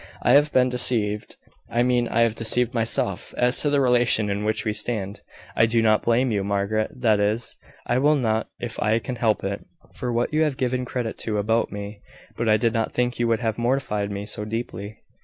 I have been deceived I mean I have deceived myself, as to the relation in which we stand. I do not blame you, Margaret that is, I will not if I can help it for what you have given credit to about me; but I did not think you would have mortified me so deeply."